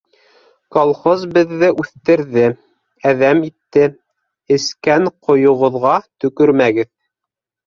Колхоз беҙҙе үҫтерҙе, әҙәм итте - эскән ҡойоғоҙға төкөрмәгеҙ.